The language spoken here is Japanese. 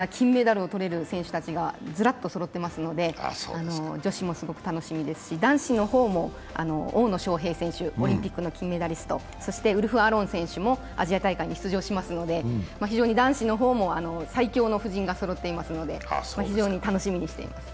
またメンバー的にもメダルをとれる、有力な金メダルを取れる選手たちがズラッとそろってますので女子もすごく楽しみですし、男子の方も大野将平選手、オリンピックの金メダリスト、そしてウルフ・アロン選手もアジア大会に出場しますので非常に男子の方も最強の布陣がそろってますので非常に楽しみにしています。